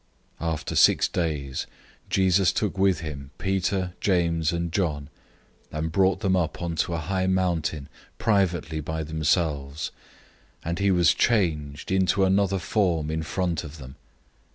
009:002 After six days Jesus took with him Peter, James, and John, and brought them up onto a high mountain privately by themselves, and he was changed into another form in front of them.